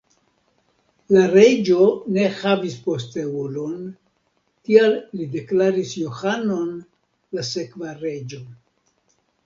La reĝo ne havis posteulon, tial li deklaris Johanon la sekva reĝo.